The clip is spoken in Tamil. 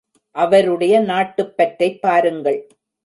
அவருடைய நாட்டுப்பற்றைப் பாருங்கள்!